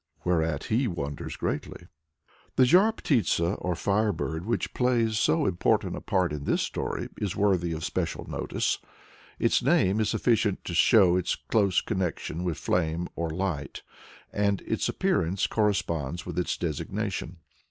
Whereat he wonders greatly. The Zhar Ptitsa, or Fire Bird, which plays so important a part in this story, is worthy of special notice. Its name is sufficient to show its close connection with flame or light, and its appearance corresponds with its designation.